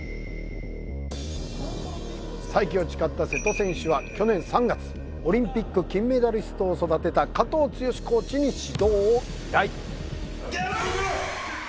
再起を誓った瀬戸選手は去年３月オリンピック金メダリストを育てた加藤健志コーチに指導を依頼